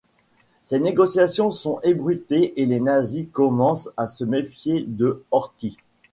Ces négociations sont ébruitées et les nazis commencent à se méfier de Horthy.